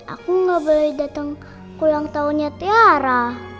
aku gak boleh datang kue ulang tahunnya ciara